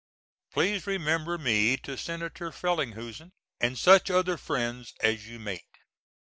Please remember me to Senator Frelinghuysen and such other friends as you meet.